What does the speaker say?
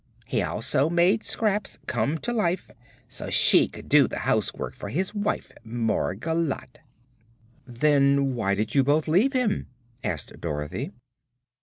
He also made Scraps come to life so she could do the housework for his wife Margolotte." "Then why did you both leave him?" asked Dorothy.